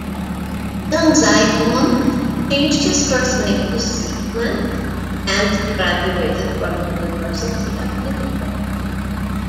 Young Zygmunt changed his first name to "Siegmund" and graduated from University of Heidelberg.